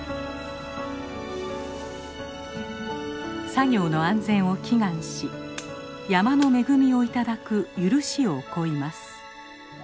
作業の安全を祈願し山の恵みを頂く許しをこいます。